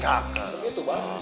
cak begitu bang